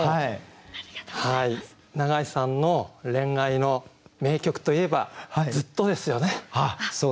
永井さんの恋愛の名曲といえば「ＺＵＴＴＯ」ですよね。